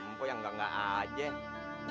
hah empo yang gak gak aja